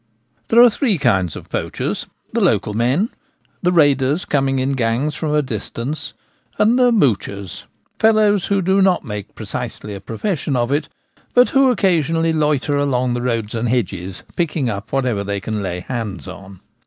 There are three kinds of poachers, the local men, the raiders coming in gangs from a distance, and the 'mouchers* — fellows who do not make precisely a profession of it, but who occasionally loiter along the roads and hedges picking up whatever they can lay hands on.